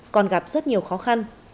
còn gặp rất nhiều khó khăn